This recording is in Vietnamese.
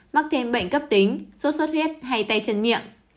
mắc thêm bệnh cấp tính sốt xuất huyết hay tay chân miệng